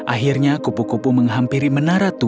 akhirnya kupu kupu menghampiri menara tua